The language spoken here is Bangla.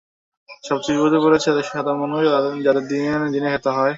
সবচেয়ে বিপদে পড়েছে দেশের সাধারণ মানুষ, যাদের দিন এনে দিনে খেতে হয়।